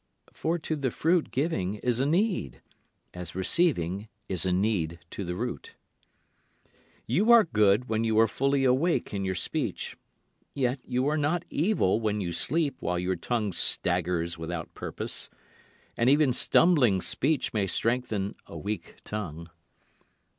For to the fruit giving is a need, as receiving is a need to the root. You are good when you are fully awake in your speech, Yet you are not evil when you sleep while your tongue staggers without purpose. And even stumbling speech may strengthen a weak tongue.